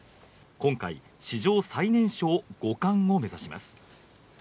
今回、史上最年少五冠を目指します。